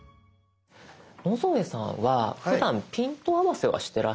野添さんはふだんピント合わせはしてらっしゃいますか？